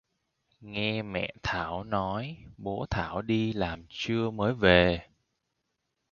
nghe Mẹ Thảo nói bố thảo đi làm trưa mới về